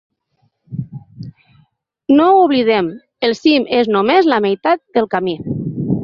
No ho oblidem: el cim és només la meitat del camí.